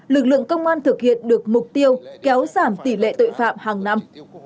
lực lượng công an thực hiện được mục tiêu kéo giảm tỷ lệ tội phạm hàng năm